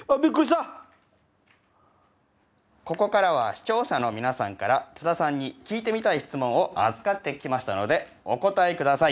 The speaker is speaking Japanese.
ここからは視聴者の皆さんから津田さんに聞いてみたい質問を預かって来ましたのでお答えください。